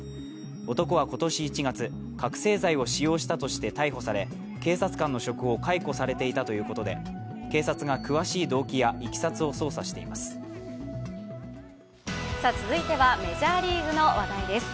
男は今年１月、覚醒剤を使用したとして逮捕され警察官の職を解雇されていたということで警察が詳しい動機やいきさつを捜査しています。